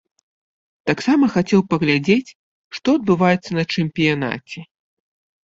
Таксама хацеў паглядзець, што адбываецца на чэмпіянаце.